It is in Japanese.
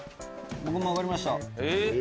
僕も分かりました。